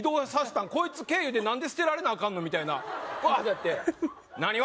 「こいつ経由でなんで捨てられなアカンの」みたいな何笑